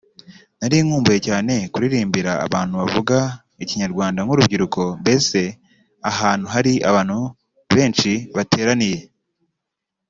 Nari nkumbuye cyane kuririmbira abantu bavuga ikinyarwanda nk’urubyiruko mbese ahantu hari abantu benshi bateraniye